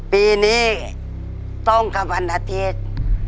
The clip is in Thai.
ปีนี้ต้องกับวันอาทิตย์